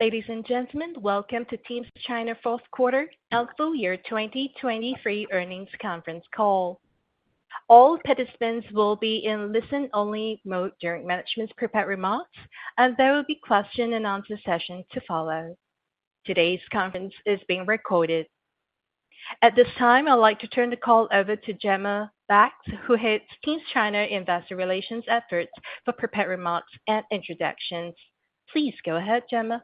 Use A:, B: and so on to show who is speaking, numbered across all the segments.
A: Ladies and gentlemen, welcome to Tims China fourth quarter and full year 2023 earnings conference call. All participants will be in listen-only mode during management's prepared remarks, and there will be question-and-answer session to follow. Today's conference is being recorded. At this time, I'd like to turn the call over to Gemma Bakx, who heads Tims China Investor Relations efforts for prepared remarks and introductions. Please go ahead, Gemma.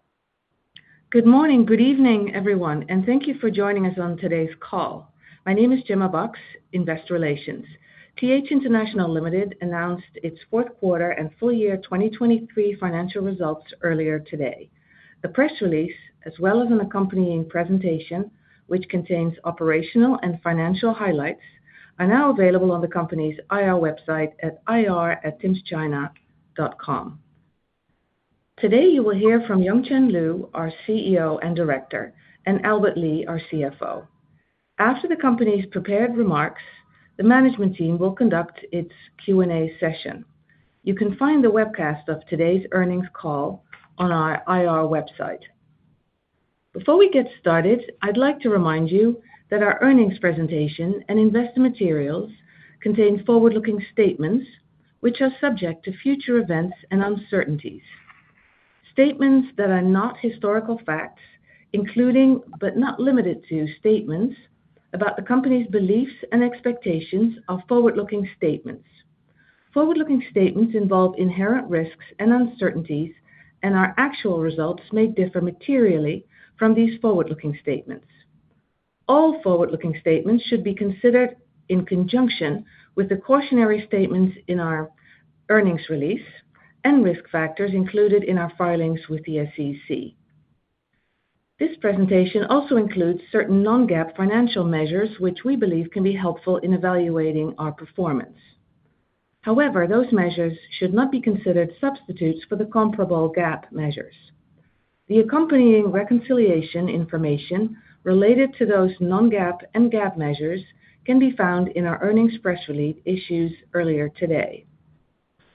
B: Good morning, good evening, everyone, and thank you for joining us on today's call. My name is Gemma Bakx, Investor Relations. TH International Limited announced its fourth quarter and full year 2023 financial results earlier today. The press release, as well as an accompanying presentation which contains operational and financial highlights, are now available on the company's IR website at ir.timschina.com. Today you will hear from Yongchen Lu, our CEO and Director, and Albert Li, our CFO. After the company's prepared remarks, the management team will conduct its Q&A session. You can find the webcast of today's earnings call on our IR website. Before we get started, I'd like to remind you that our earnings presentation and investor materials contain forward-looking statements which are subject to future events and uncertainties. Statements that are not historical facts, including but not limited to statements about the company's beliefs and expectations, are forward-looking statements. Forward-looking statements involve inherent risks and uncertainties, and our actual results may differ materially from these forward-looking statements. All forward-looking statements should be considered in conjunction with the cautionary statements in our earnings release and risk factors included in our filings with the SEC. This presentation also includes certain non-GAAP financial measures which we believe can be helpful in evaluating our performance. However, those measures should not be considered substitutes for the comparable GAAP measures. The accompanying reconciliation information related to those non-GAAP and GAAP measures can be found in our earnings press release issued earlier today.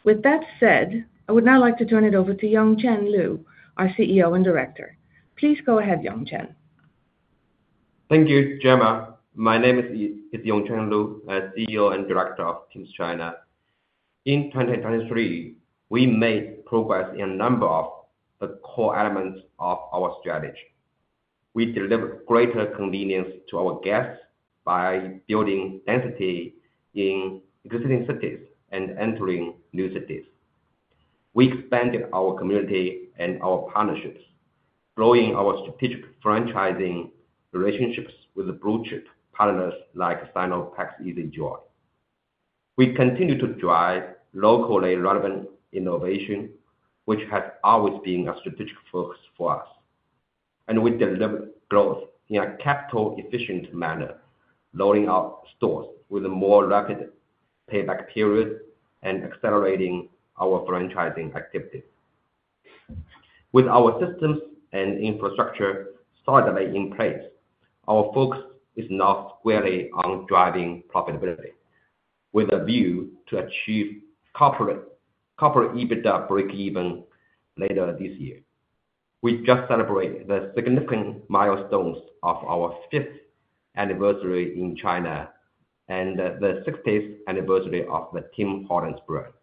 B: With that said, I would now like to turn it over to Yongchen Lu, our CEO and Director. Please go ahead, Yongchen.
C: Thank you, Gemma. My name is Yongchen Lu, CEO and Director of Tims China. In 2023, we made progress in a number of the core elements of our strategy. We delivered greater convenience to our guests by building density in existing cities and entering new cities. We expanded our community and our partnerships, growing our strategic franchising relationships with blue-chip partners like Sinopec Easy Joy. We continue to drive locally relevant innovation, which has always been a strategic focus for us. And we delivered growth in a capital-efficient manner, loading up stores with a more rapid payback period and accelerating our franchising activity. With our systems and infrastructure solidly in place, our focus is now squarely on driving profitability, with a view to achieve corporate EBITDA break-even later this year. We just celebrated the significant milestones of our fifth anniversary in China and the sixtieth anniversary of the Tim Hortons brand.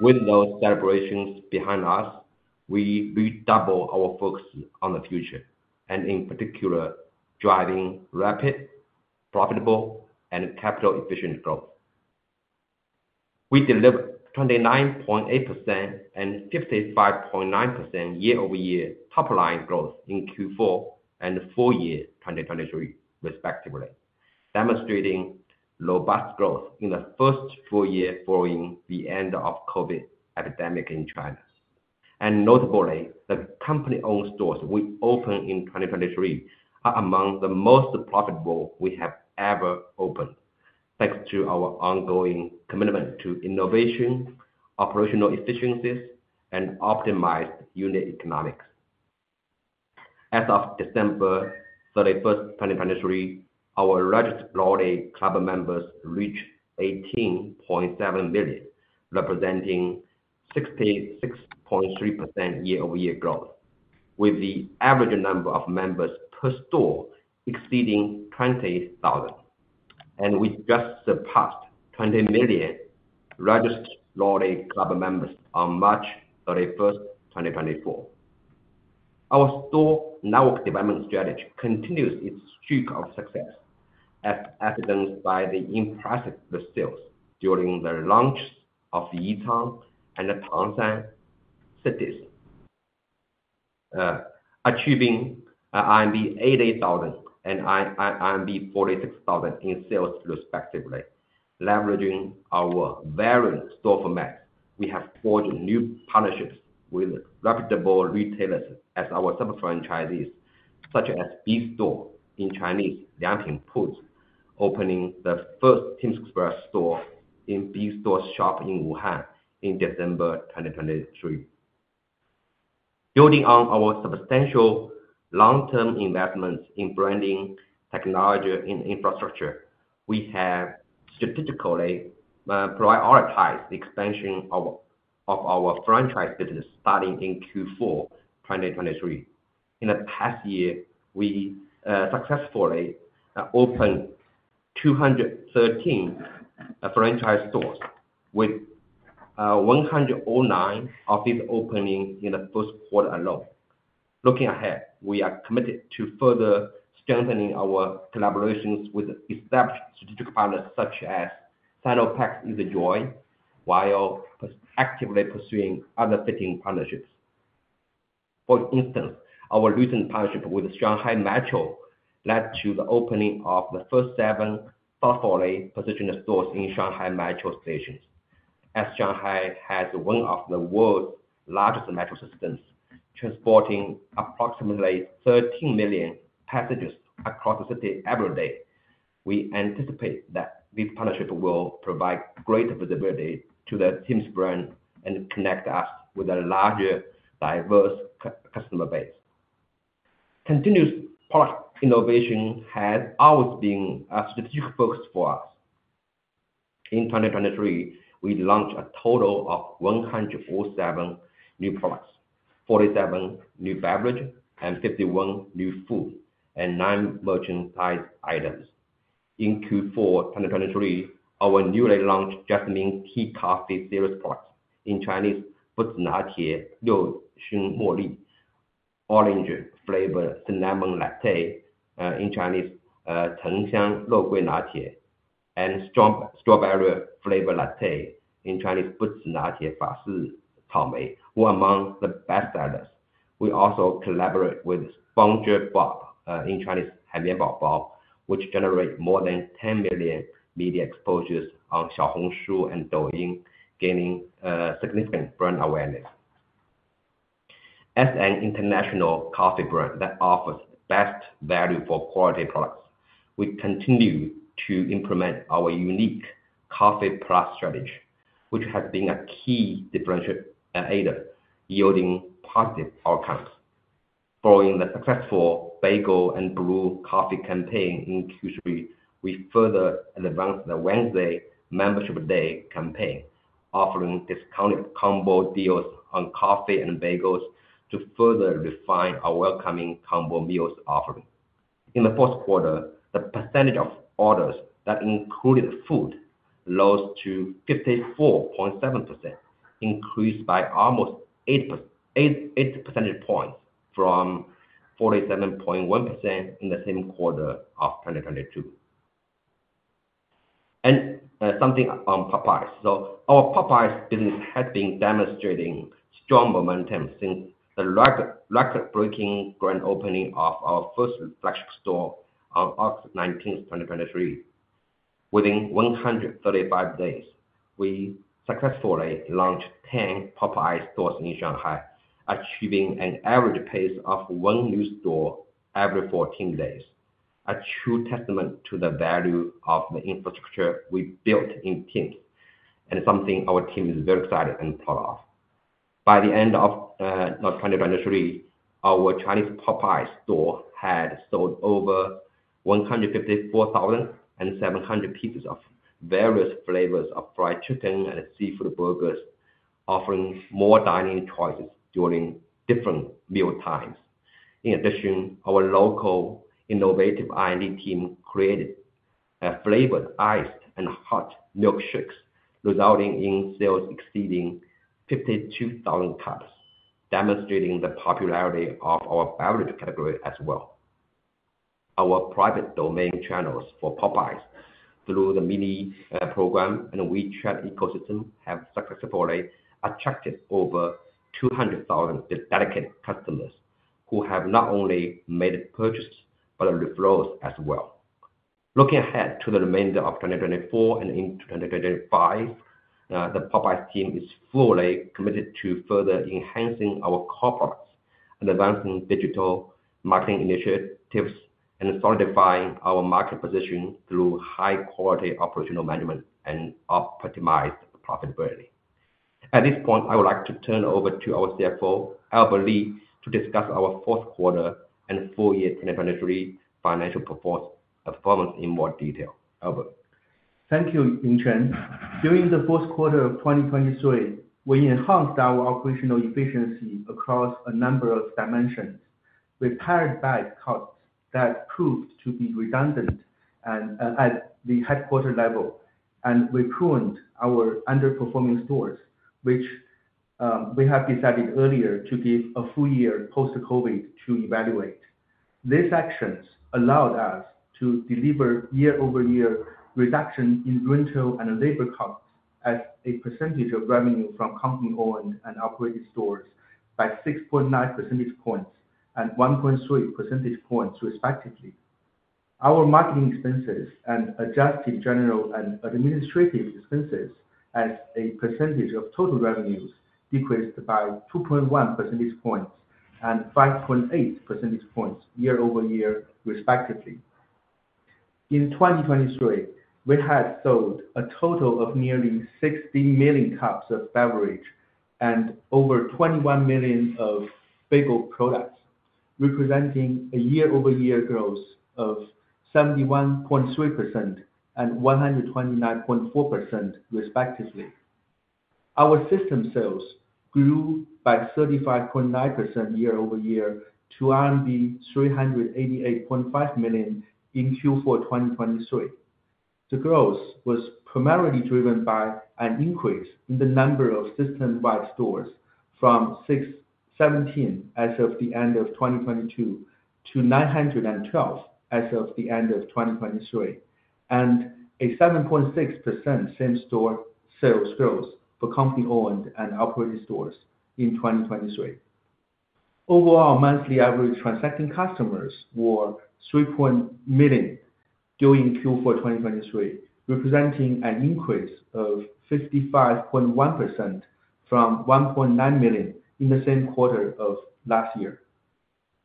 C: With those celebrations behind us, we redouble our focus on the future, and in particular, driving rapid, profitable, and capital-efficient growth. We delivered 29.8% and 55.9% year-over-year top-line growth in Q4 and full year 2023, respectively, demonstrating robust growth in the first full year following the end of COVID epidemic in China. And notably, the company-owned stores we opened in 2023 are among the most profitable we have ever opened, thanks to our ongoing commitment to innovation, operational efficiencies, and optimized unit economics. As of December 31st, 2023, our Loyalty Club members reached 18.7 million, representing 66.3% year-over-year growth, with the average number of members per store exceeding 20,000. And we just surpassed 20 million Loyalty Club members on March 31st, 2024. Our store network development strategy continues its streak of success, as evidenced by the impressive sales during the launch of Yichang and Tangshan cities, achieving RMB 88,000 and 46,000 in sales, respectively. Leveraging our varied store formats, we have forged new partnerships with reputable retailers as our sub-franchisees, such as Bestore in Chinese, Liangpin Puzi, opening the first Tims Express store in Bestore shop in Wuhan in December 2023. Building on our substantial long-term investments in branding, technology, and infrastructure, we have strategically prioritized the expansion of our franchise business starting in Q4 2023. In the past year, we successfully opened 213 franchise stores, with 109 of these opening in the first quarter alone. Looking ahead, we are committed to further strengthening our collaborations with established strategic partners such as Sinopec Easy Joy while actively pursuing other fitting partnerships. For instance, our recent partnership with Shanghai Metro led to the opening of the first seven thoughtfully positioned stores in Shanghai Metro stations. As Shanghai has one of the world's largest metro systems, transporting approximately 13 million passengers across the city every day, we anticipate that this partnership will provide greater visibility to the Tims brand and connect us with a larger, diverse customer base. Continuous product innovation has always been a strategic focus for us. In 2023, we launched a total of 107 new products, 47 new beverage, and 51 new food and nine merchandise items. In Q4 2023, our newly launched Jasmine Tea Coffee series products in Chinese Floral Latte Liu Xiang Mo Li, Orange Flavored Cinnamon Latte in Chinese Cheng Xiang Rou Gui Latte, and Strawberry Flavored Latte in Chinese Fa Shi Cao Mei Latte were among the best sellers. We also collaborated with SpongeBob SquarePants in Chinese Haimian Baobao, which generated more than 10 million media exposures on Xiaohongshu and Douyin, gaining significant brand awareness. As an international coffee brand that offers the best value for quality products, we continue to implement our unique Coffee Plus strategy, which has been a key differentiator, yielding positive outcomes. Following the successful Bagel and Brew Coffee campaign in Q3, we further advanced the Wednesday Membership Day campaign, offering discounted combo deals on coffee and bagels to further refine our welcoming combo meals offering. In the fourth quarter, the percentage of orders that included food rose to 54.7%, increased by almost 8 percentage points from 47.1% in the same quarter of 2022. And something on Popeyes. So our Popeyes business has been demonstrating strong momentum since the record-breaking grand opening of our first flagship store on August 19th, 2023. Within 135 days, we successfully launched 10 Popeyes stores in Shanghai, achieving an average pace of one new store every 14 days, a true testament to the value of the infrastructure we built in Tims, and something our team is very excited and proud of. By the end of 2023, our Chinese Popeyes store had sold over 154,700 pieces of various flavors of fried chicken and seafood burgers, offering more dining choices during different meal times. In addition, our local innovative R&D team created flavored, iced, and hot milkshakes, resulting in sales exceeding 52,000 cups, demonstrating the popularity of our beverage category as well. Our private domain channels for Popeyes, through the mini program and WeChat ecosystem, have successfully attracted over 200,000 dedicated customers who have not only made purchases but to grow as well. Looking ahead to the remainder of 2024 and into 2025, the Popeyes team is fully committed to further enhancing our core products and advancing digital marketing initiatives and solidifying our market position through high-quality operational management and optimized profitability. At this point, I would like to turn over to our CFO, Albert Li, to discuss our fourth quarter and full year 2023 financial performance in more detail. Albert.
D: Thank you, Yongchen. During the fourth quarter of 2023, we enhanced our operational efficiency across a number of dimensions. We pared back costs that proved to be redundant at the headquarters level, and we pruned our underperforming stores, which we have decided earlier to give a full year post-COVID to evaluate. These actions allowed us to deliver year-over-year reduction in rental and labor costs as a percentage of revenue from company-owned and operated stores by 6.9 percentage points and 1.3 percentage points, respectively. Our marketing expenses and Adjusted General and Administrative Expenses as a percentage of total revenues decreased by 2.1 percentage points and 5.8 percentage points year-over-year, respectively. In 2023, we had sold a total of nearly 60 million cups of beverage and over 21 million of bagel products, representing a year-over-year growth of 71.3% and 129.4%, respectively. Our system sales grew by 35.9% year-over-year to RMB 388.5 million in Q4, 2023. The growth was primarily driven by an increase in the number of system-wide stores from 17 as of the end of 2022 to 912 as of the end of 2023, and a 7.6% same-store sales growth for company-owned and operated stores in 2023. Overall, monthly average transacting customers were 3.0 million during Q4, 2023, representing an increase of 55.1% from 1.9 million in the same quarter of last year.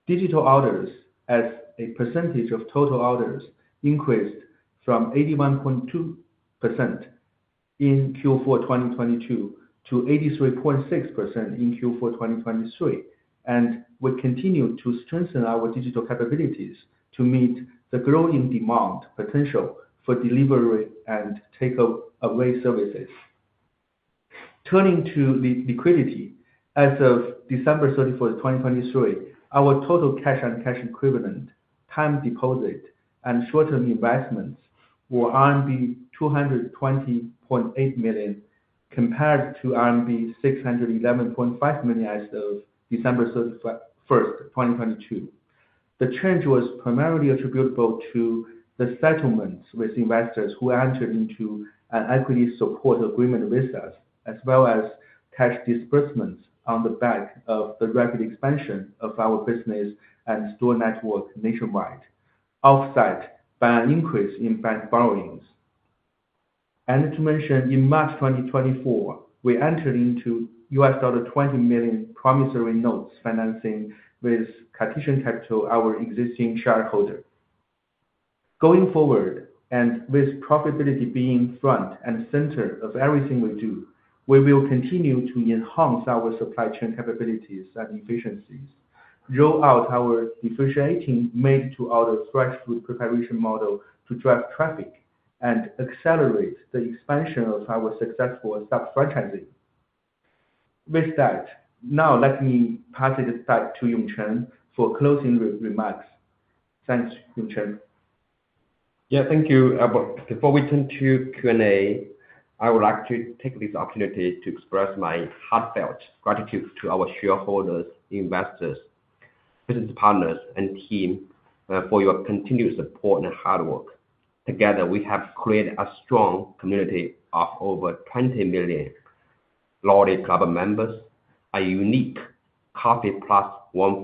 D: Digital orders, as a percentage of total orders, increased from 81.2% in Q4, 2022 to 83.6% in Q4, 2023, and we continue to strengthen our digital capabilities to meet the growing demand potential for delivery and takeaway services. Turning to liquidity, as of December 31st, 2023, our total cash and cash equivalents, time deposits, and short-term investments were RMB 220.8 million compared to RMB 611.5 million as of December 31st, 2022. The change was primarily attributable to the settlements with investors who entered into an equity support agreement with us, as well as cash disbursements on the back of the rapid expansion of our business and store network nationwide, offset by an increase in bank borrowings. To mention, in March 2024, we entered into $20 million promissory notes financing with Cartesian Capital, our existing shareholder. Going forward, with profitability being front and center of everything we do, we will continue to enhance our supply chain capabilities and efficiencies, roll out our differentiating made-to-order fresh food preparation model to drive traffic, and accelerate the expansion of our successful sub-franchising. With that, now let me pass it back to Yongchen for closing remarks. Thanks, Yongchen.
C: Yeah, thank you. Albert, before we turn to Q&A, I would like to take this opportunity to express my heartfelt gratitude to our shareholders, investors, business partners, and team for your continued support and hard work. Together, we have created a strong community of over 20 million loyalty club members, a unique Coffee Plus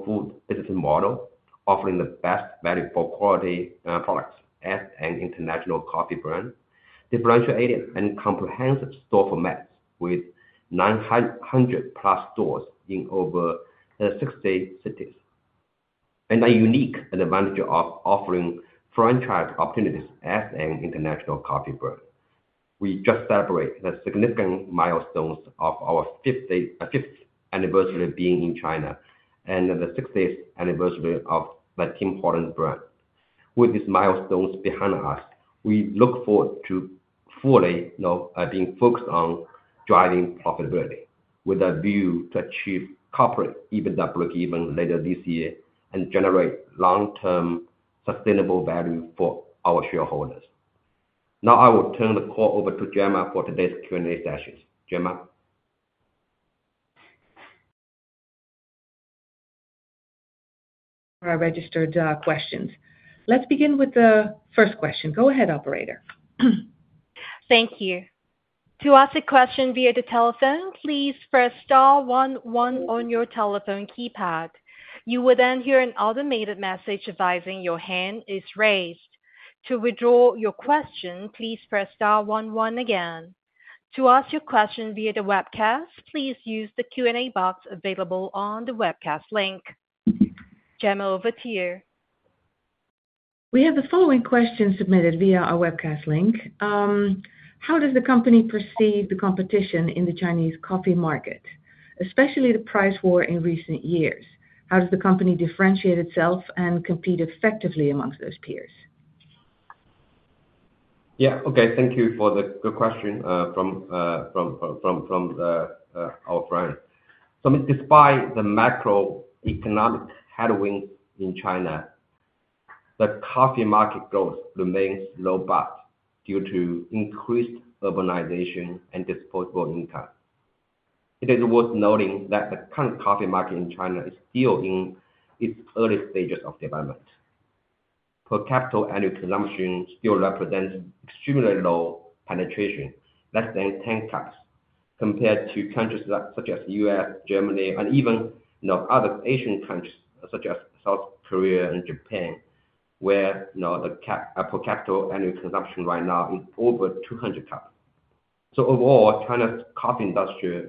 C: food business model, offering the best value for quality products as an international coffee brand, differentiated and comprehensive store formats with 900+ stores in over 60 cities, and a unique advantage of offering franchise opportunities as an international coffee brand. We just celebrated the significant milestones of our 50th anniversary being in China and the 60th anniversary of the Tim Hortons brand. With these milestones behind us, we look forward to fully being focused on driving profitability with a view to achieve corporate EBITDA break-even later this year and generate long-term sustainable value for our shareholders. Now I will turn the call over to Gemma for today's Q&A session. Gemma.
B: For our registered questions. Let's begin with the first question. Go ahead, operator.
A: Thank you. To ask a question via the telephone, please press star one one on your telephone keypad. You will then hear an automated message advising your hand is raised. To withdraw your question, please press star one one again. To ask your question via the webcast, please use the Q&A box available on the webcast link. Gemma, over to you.
B: We have the following question submitted via our webcast link. How does the company perceive the competition in the Chinese coffee market, especially the price war in recent years? How does the company differentiate itself and compete effectively amongst those peers?
C: Yeah, okay. Thank you for the good question from our friend. So despite the macroeconomic headwinds in China, the coffee market growth remains robust due to increased urbanization and disposable income. It is worth noting that the current coffee market in China is still in its early stages of development. Per capita annual consumption still represents extremely low penetration, less than 10 cups, compared to countries such as the U.S., Germany, and even other Asian countries such as South Korea and Japan, where the per capita annual consumption right now is over 200 cups. So overall, China's coffee industry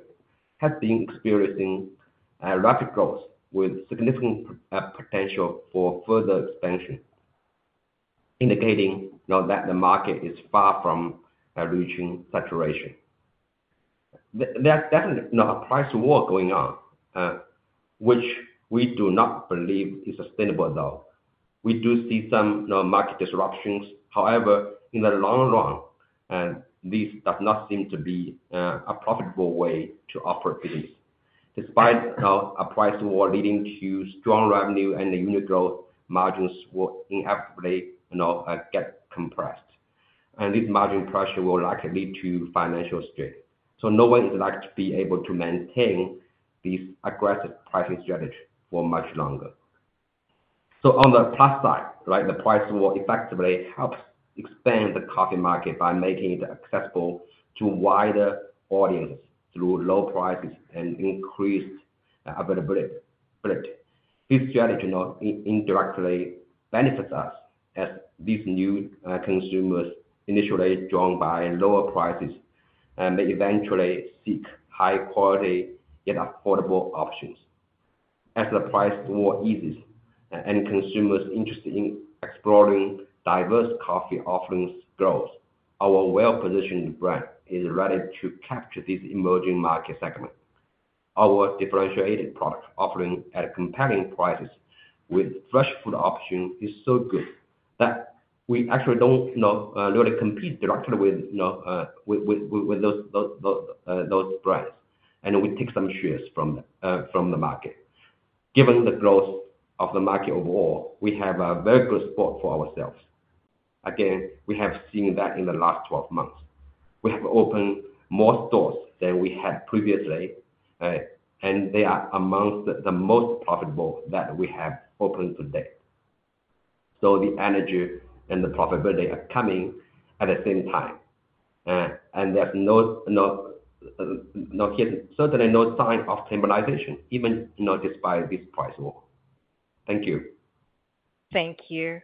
C: has been experiencing rapid growth with significant potential for further expansion, indicating that the market is far from reaching saturation. There's definitely a price war going on, which we do not believe is sustainable, though. We do see some market disruptions. However, in the long run, this does not seem to be a profitable way to operate business, despite a price war leading to strong revenue and unit growth, margins will inevitably get compressed. This margin pressure will likely lead to financial strain. No one is likely to be able to maintain this aggressive pricing strategy for much longer. On the plus side, the price war effectively helps expand the coffee market by making it accessible to wider audiences through low prices and increased availability. This strategy indirectly benefits us as these new consumers, initially drawn by lower prices, may eventually seek high-quality, yet affordable options. As the price war eases and consumers' interest in exploring diverse coffee offerings grows, our well-positioned brand is ready to capture this emerging market segment. Our differentiated product offering at compelling prices with fresh food options is so good that we actually don't really compete directly with those brands, and we take some shares from the market. Given the growth of the market overall, we have a very good spot for ourselves. Again, we have seen that in the last 12 months. We have opened more stores than we had previously, and they are among the most profitable that we have opened to date. So the energy and the profitability are coming at the same time. And there's certainly no sign of stabilization, even despite this price war. Thank you.
A: Thank you.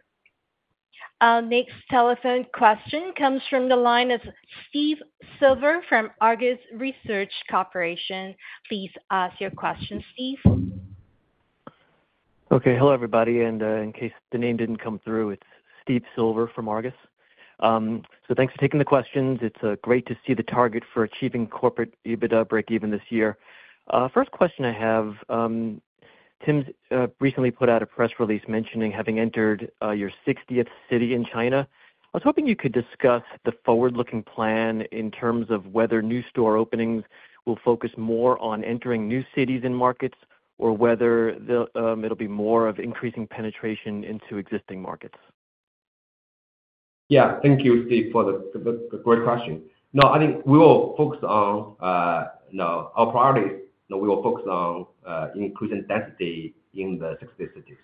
A: Next telephone question comes from the line. It's Steve Silver from Argus Research Corporation. Please ask your question, Steve.
E: Okay. Hello, everybody. In case the name didn't come through, it's Steve Silver from Argus. Thanks for taking the questions. It's great to see the target for achieving Corporate EBITDA break-even this year. First question I have, Tims recently put out a press release mentioning having entered your 60th city in China. I was hoping you could discuss the forward-looking plan in terms of whether new store openings will focus more on entering new cities and markets or whether it'll be more of increasing penetration into existing markets.
C: Yeah, thank you, Steve, for the great question. No, I think we will focus on our priorities. We will focus on increasing density in the 60 cities.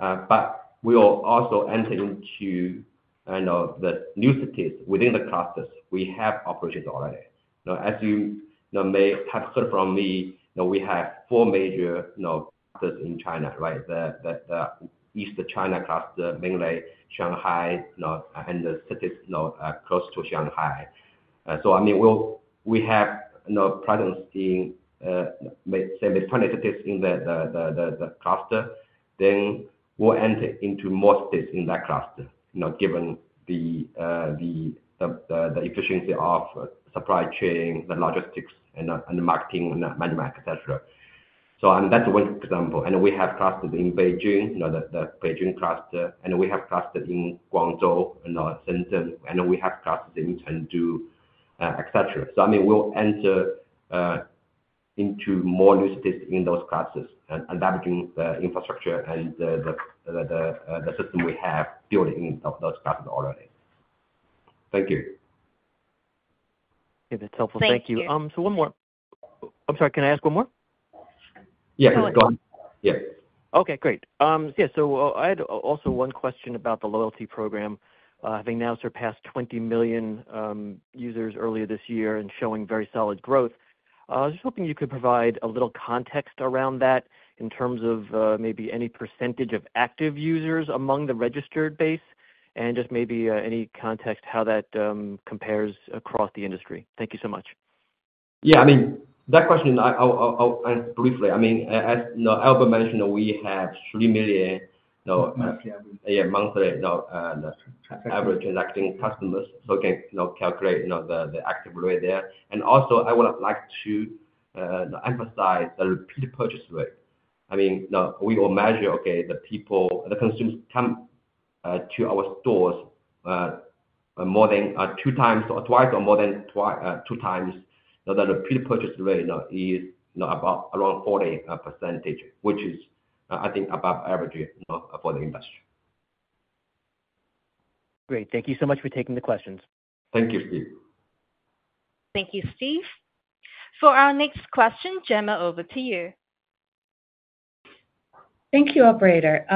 C: But we will also enter into the new cities within the clusters we have operations already. As you may have heard from me, we have four major clusters in China, right? The East China cluster, mainly Shanghai, and the cities close to Shanghai. So I mean, we have presence in, say, the 20 cities in the cluster. Then we'll enter into more cities in that cluster, given the efficiency of supply chain, the logistics, and the marketing, and the management, etc. So that's one example. And we have clusters in Beijing, the Beijing cluster. And we have clusters in Guangzhou, Shenzhen. And we have clusters in Chengdu, etc. I mean, we'll enter into more new cities in those clusters, leveraging the infrastructure and the system we have built in those clusters already. Thank you.
E: If it's helpful, thank you. So one more. I'm sorry. Can I ask one more?
C: Yeah, go ahead. Yeah.
E: Okay, great. Yeah, so I had also one question about the loyalty program, having now surpassed 20 million users earlier this year and showing very solid growth. I was just hoping you could provide a little context around that in terms of maybe any percentage of active users among the registered base and just maybe any context how that compares across the industry. Thank you so much.
C: Yeah, I mean, that question, briefly, I mean, as Albert mentioned, we have 3 million.
D: Monthly, I mean. Yeah, monthly average transacting customers. So we can calculate the active rate there. Also, I would like to emphasize the repeat purchase rate. I mean, we will measure, okay, the consumers come to our stores more than two times or twice or more than two times. The repeat purchase rate is about around 40%, which is, I think, above average for the industry.
E: Great. Thank you so much for taking the questions.
C: Thank you, Steve.
A: Thank you, Steve. For our next question, Gemma, over to you.
B: Thank you, operator.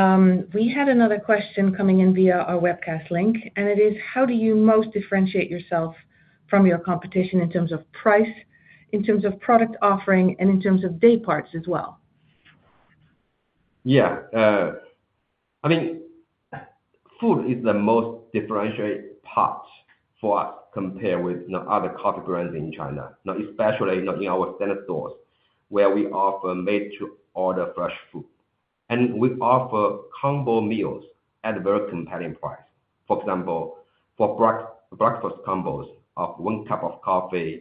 B: We had another question coming in via our webcast link, and it is, how do you most differentiate yourself from your competition in terms of price, in terms of product offering, and in terms of day parts as well?
C: Yeah. I mean, food is the most differentiating part for us compared with other coffee brands in China, especially in our standard stores where we offer made-to-order fresh food. And we offer combo meals at a very compelling price. For example, for breakfast combos of one cup of coffee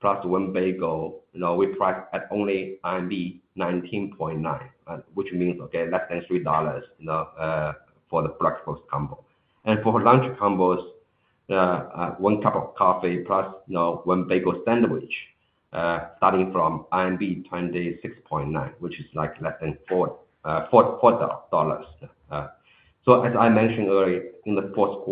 C: plus one bagel, we price at only RMB 19.9, which means, okay, less than $3 for the breakfast combo. And for lunch combos, one cup of coffee plus one bagel sandwich, starting from RMB 26.9, which is less than $4. So as I mentioned earlier, in the fourth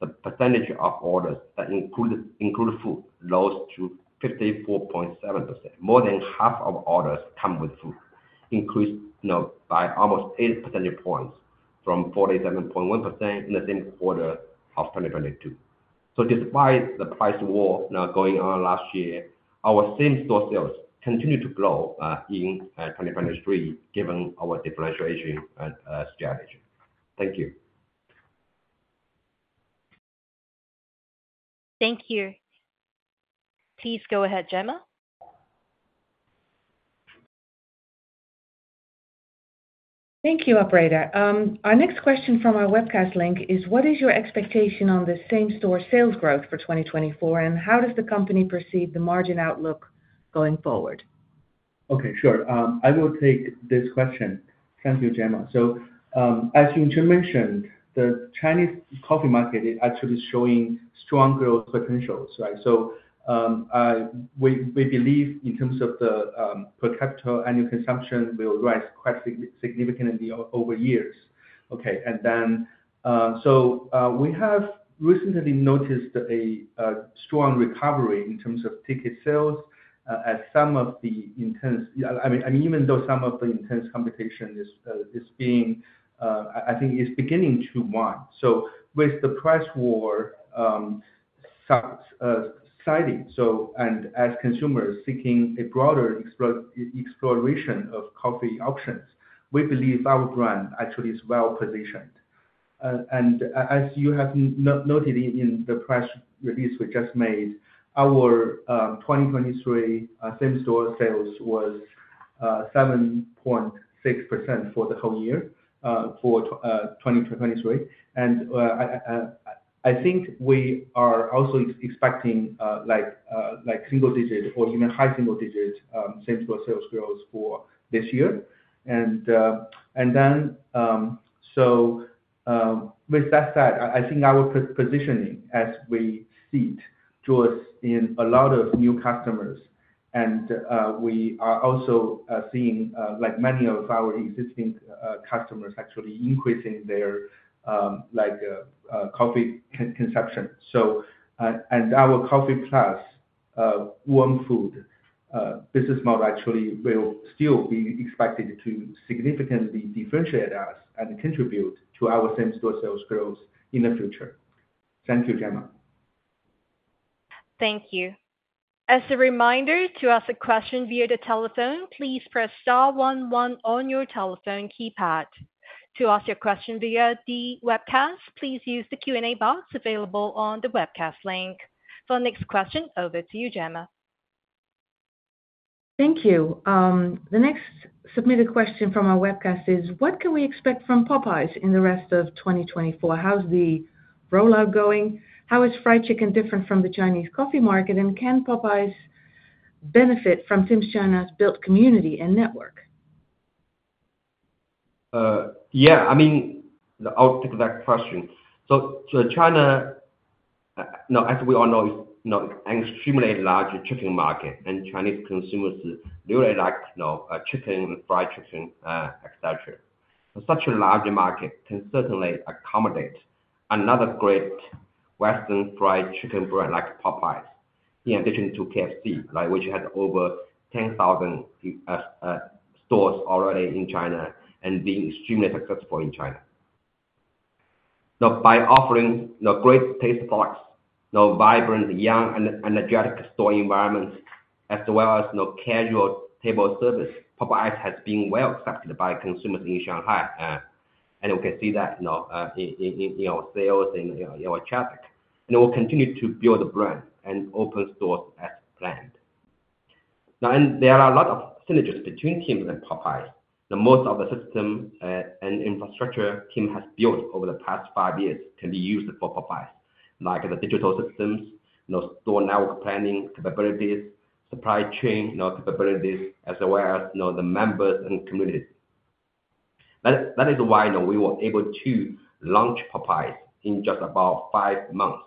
C: quarter, the percentage of orders that include food rose to 54.7%. More than half of orders come with food, increased by almost 80 percentage points from 47.1% in the same quarter of 2022. Despite the price war going on last year, our same-store sales continue to grow in 2023 given our differentiation strategy. Thank you.
A: Thank you. Please go ahead, Gemma.
B: Thank you, operator. Our next question from our webcast link is, What is your expectation on the same-store sales growth for 2024, and how does the company perceive the margin outlook going forward?
D: Okay, sure. I will take this question. Thank you, Gemma. So as Yongchen mentioned, the Chinese coffee market is actually showing strong growth potentials, right? So we believe in terms of the per capita annual consumption, it will rise quite significantly over years. Okay? And then so we have recently noticed a strong recovery in terms of ticket sales as some of the intense, I mean, even though some of the intense competition is being, I think it's beginning to wind down. So with the price war subsiding and as consumers seeking a broader exploration of coffee options, we believe our brand actually is well-positioned. And as you have noted in the press release we just made, our 2023 same-store sales was 7.6% for the whole year for 2023. And I think we are also expecting single-digit or even high-single-digit same-store sales growth for this year. With that said, I think our positioning, as we see it, draws in a lot of new customers. We are also seeing many of our existing customers actually increasing their coffee consumption. Our Coffee-Plus warm food business model actually will still be expected to significantly differentiate us and contribute to our Same-Store Sales growth in the future. Thank you, Gemma.
A: Thank you. As a reminder, to ask a question via the telephone, please press star one one on your telephone keypad. To ask your question via the webcast, please use the Q&A box available on the webcast link. For the next question, over to you, Gemma.
B: Thank you. The next submitted question from our webcast is, what can we expect from Popeyes in the rest of 2024? How's the rollout going? How is fried chicken different from the Chinese coffee market, and can Popeyes benefit from Tims China's built community and network?
C: Yeah, I mean, I'll take that question. So China, as we all know, is an extremely large chicken market, and Chinese consumers really like chicken and fried chicken, etc. Such a large market can certainly accommodate another great Western fried chicken brand like Popeyes, in addition to KFC, which has over 10,000 stores already in China and being extremely successful in China. By offering great taste products, vibrant, young, energetic store environments, as well as casual table service, Popeyes has been well-accepted by consumers in Shanghai. We can see that in our sales and our traffic. It will continue to build the brand and open stores as planned. Now, there are a lot of synergies between Tims and Popeyes. Most of the system and infrastructure Tim has built over the pastf5 years can be used for Popeyes, like the digital systems, store network planning capabilities, supply chain capabilities, as well as the members and communities. That is why we were able to launch Popeyes in just about 5 months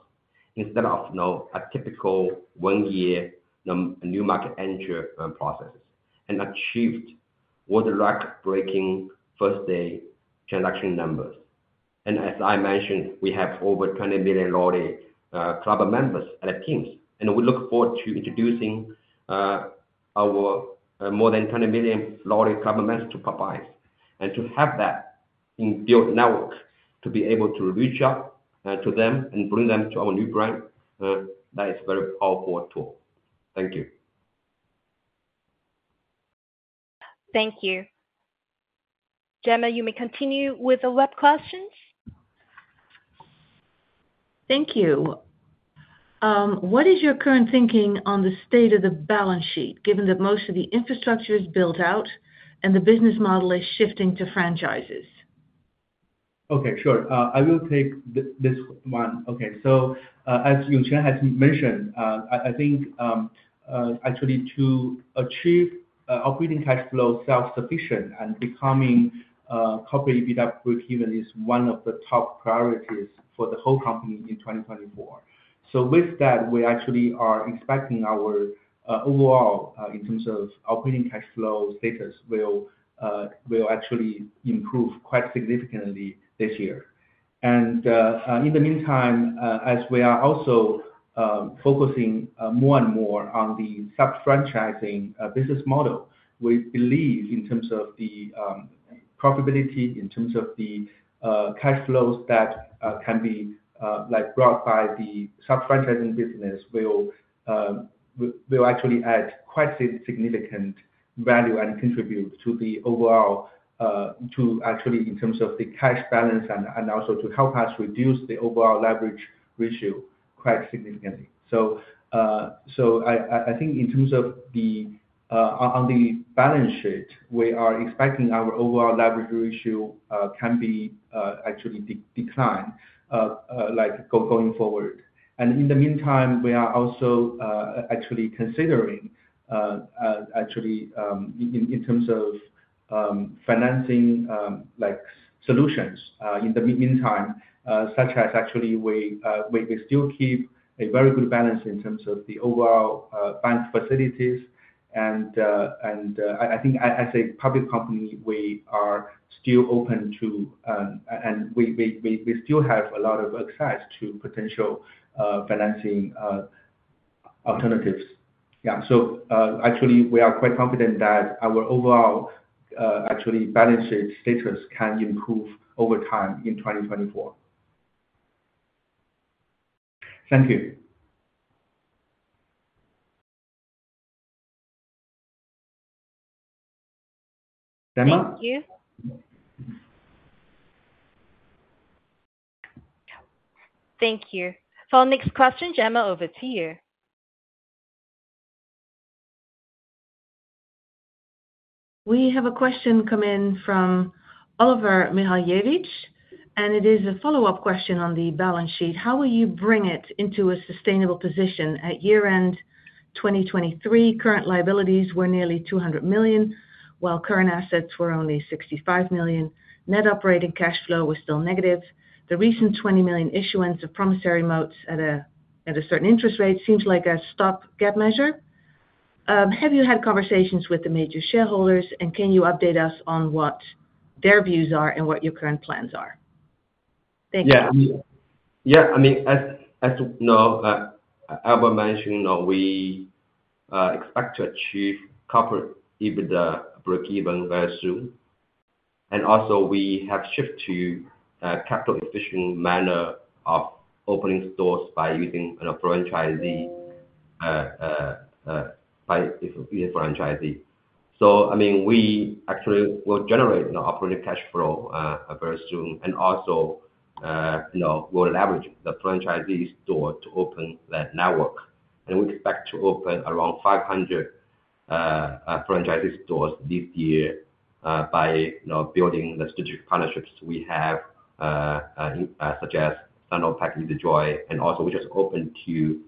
C: instead of a typical 1-year new market entry processes and achieved world-record-breaking first-day transaction numbers. And as I mentioned, we have over 20 million loyalty club members at Tims. And we look forward to introducing our more than 20 million loyalty club members to Popeyes. And to have that built network to be able to reach out to them and bring them to our new brand, that is a very powerful tool. Thank you.
A: Thank you. Gemma, you may continue with the web questions.
B: Thank you. What is your current thinking on the state of the balance sheet, given that most of the infrastructure is built out and the business model is shifting to franchises?
D: Okay, sure. I will take this one. Okay, so as Yongchen has mentioned, I think actually to achieve operating cash flow self-sufficient and becoming Corporate EBITDA break-even is one of the top priorities for the whole company in 2024. So with that, we actually are expecting our overall in terms of operating cash flow status will actually improve quite significantly this year. And in the meantime, as we are also focusing more and more on the subfranchising business model, we believe in terms of the profitability, in terms of the cash flows that can be brought by the subfranchising business will actually add quite significant value and contribute to the overall to actually in terms of the cash balance and also to help us reduce the overall leverage ratio quite significantly. So I think in terms of on the balance sheet, we are expecting our overall leverage ratio can be actually declined going forward. And in the meantime, we are also actually considering actually in terms of financing solutions in the meantime, such as actually we still keep a very good balance in terms of the overall bank facilities. And I think as a public company, we are still open to and we still have a lot of access to potential financing alternatives. Yeah, so actually, we are quite confident that our overall actually balance sheet status can improve over time in 2024. Thank you. Gemma?
A: Thank you. Thank you. For our next question, Gemma, over to you.
B: We have a question come in from Oliver Mihaljevic. It is a follow-up question on the balance sheet. How will you bring it into a sustainable position at year-end 2023? Current liabilities were nearly $200 million, while current assets were only $65 million. Net operating cash flow was still negative. The recent $20 million issuance of promissory notes at a certain interest rate seems like a stop-gap measure. Have you had conversations with the major shareholders, and can you update us on what their views are and what your current plans are? Thank you.
C: Yeah. Yeah, I mean, as Albert mentioned, we expect to achieve corporate EBITDA break-even very soon. And also, we have shifted to a capital-efficient manner of opening stores by using a franchisee by using franchisee. So I mean, we actually will generate operating cash flow very soon. And also, we'll leverage the franchisee store to open that network. And we expect to open around 500 franchisee stores this year by building the strategic partnerships we have, such as Sinopec, Easy Joy, and also which is open to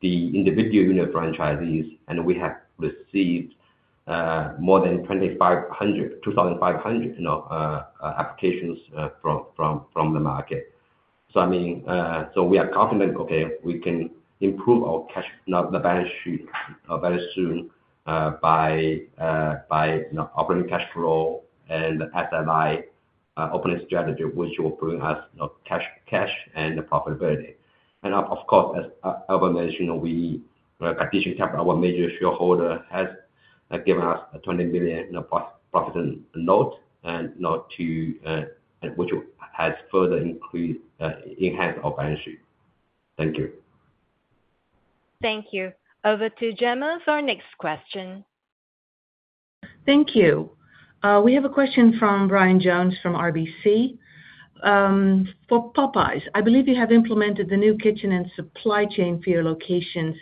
C: the individual unit franchisees. And we have received more than 2,500 applications from the market. So I mean, so we are confident, okay, we can improve our cash, the balance sheet very soon by operating cash flow and the SLI opening strategy, which will bring us cash and profitability. Of course, as Albert mentioned, Cartesian Capital, our major shareholder, has given us a $20 million promissory note, which has further enhanced our balance sheet. Thank you.
A: Thank you. Over to Gemma for our next question.
B: Thank you. We have a question from Brian Jones from RBC. For Popeyes, I believe you have implemented the new kitchen and supply chain for your locations.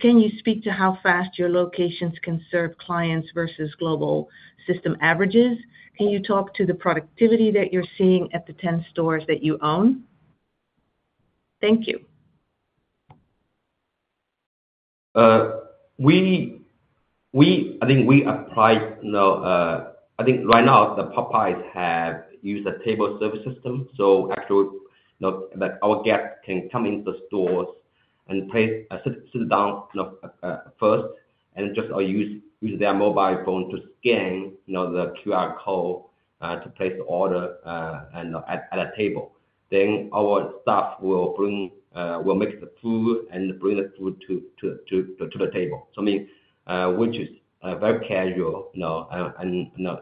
B: Can you speak to how fast your locations can serve clients versus global system averages? Can you talk to the productivity that you're seeing at the 10 stores that you own? Thank you.
C: I think we applied. I think right now, the Popeyes have used a table service system. So actually, our guest can come into the stores and sit down first and just use their mobile phone to scan the QR code to place the order at a table. Then our staff will mix the food and bring the food to the table. So I mean, which is very casual. And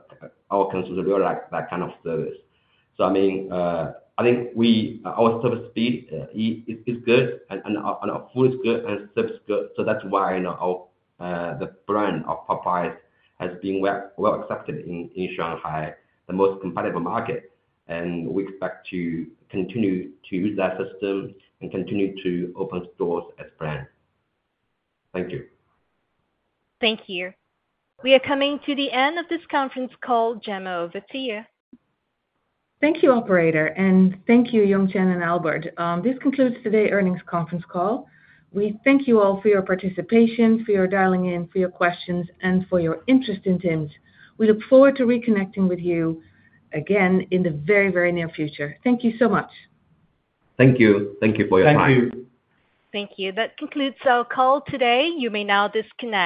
C: our consumers really like that kind of service. So I mean, I think our service speed is good. And our food is good. And service is good. So that's why the brand of Popeyes has been well-accepted in Shanghai, the most competitive market. And we expect to continue to use that system and continue to open stores as planned. Thank you.
A: Thank you. We are coming to the end of this conference call, Gemma. Over to you.
B: Thank you, operator. Thank you, Yongchen and Albert. This concludes today's earnings conference call. We thank you all for your participation, for your dialing in, for your questions, and for your interest in Tims. We look forward to reconnecting with you again in the very, very near future. Thank you so much.
C: Thank you. Thank you for your time.
D: Thank you.
A: Thank you. That concludes our call today. You may now disconnect.